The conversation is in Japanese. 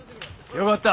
よかった。